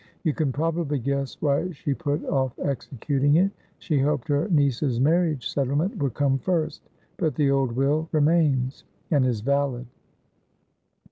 You can probably guess why she put off executing it. She hoped her niece's marriage settlement would come first. But the old will remains, and is valid."